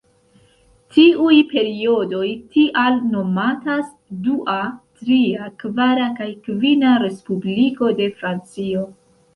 Tiuj periodoj tial nomatas Dua, Tria, Kvara kaj Kvina Respubliko de Francio.